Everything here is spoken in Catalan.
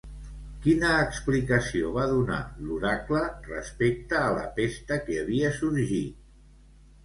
Quina explicació va donar l'oracle respecte a la pesta que havia sorgit?